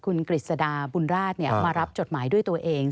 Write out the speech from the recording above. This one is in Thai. คุณกฤษฎาบุญราชมารับจดหมายด้วยตัวเอง